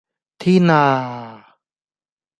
天呀